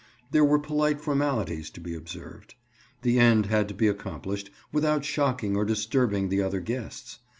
There were polite formalities to be observed. The end had to be accomplished without shocking or disturbing the other guests.